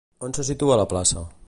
On se situa la plaça?